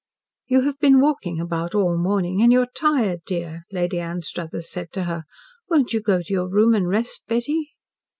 "You have been walking about all morning, and you are tired, dear," Lady Anstruthers said to her. "Won't you go to your room and rest, Betty?"